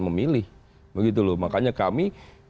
memilih begitu loh makanya kami